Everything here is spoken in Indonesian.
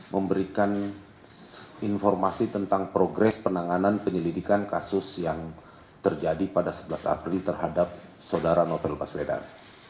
memberikan informasi tentang progres penanganan penyelidikan kasus yang terjadi pada sebelas april terhadap saudara novel baswedan